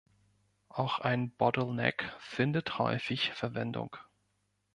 Auch ein Bottleneck findet häufig Verwendung.